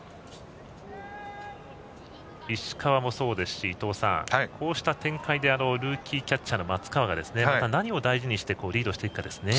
石川もそうですし伊東さん、こうした展開でルーキーキャッチャーの松川がまた何を大事にしてリードしていくかですね。